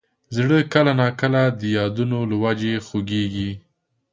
زړه کله نا کله د یادونو له وجې خوږېږي.